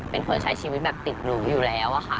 เป็นคนใช้ชีวิตแบบติดหนูอยู่แล้วอะค่ะ